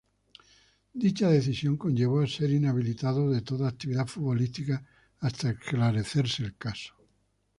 Dicha decisión conllevó a ser inhabilitados de toda actividad futbolística hasta esclarecer el caso.